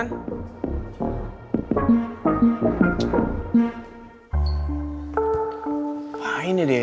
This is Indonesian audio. ngapain ya dia